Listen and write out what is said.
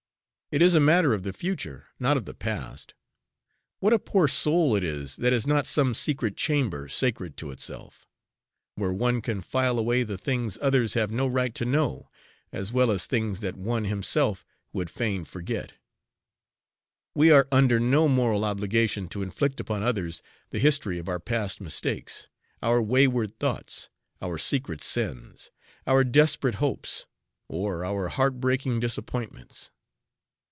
It is a matter of the future, not of the past. What a poor soul it is that has not some secret chamber, sacred to itself; where one can file away the things others have no right to know, as well as things that one himself would fain forget! We are under no moral obligation to inflict upon others the history of our past mistakes, our wayward thoughts, our secret sins, our desperate hopes, or our heartbreaking disappointments.